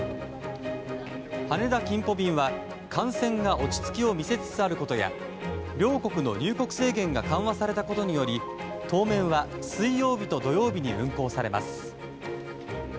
羽田キンポ便は、感染が落ち着きを見せつつあることや両国の入国制限が緩和されたことにより当面は水曜日と土曜日に運航されます。